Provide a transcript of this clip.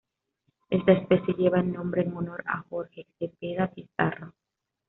Esta especie lleva el nombre en honor a Jorge Cepeda-Pizarro.